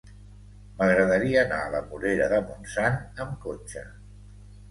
M'agradaria anar a la Morera de Montsant amb cotxe.